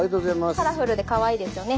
カラフルでかわいいですよね。